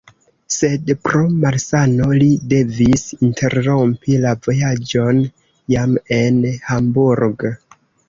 Sed pro malsano li devis interrompi la vojaĝon jam en Hamburg.